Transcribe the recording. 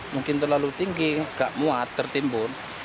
mungkin terlalu tinggi nggak muat tertimbun